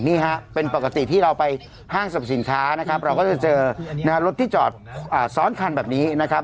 นี่ฮะเป็นปกติที่เราไปห้างสรรพสินค้านะครับเราก็จะเจอรถที่จอดซ้อนคันแบบนี้นะครับ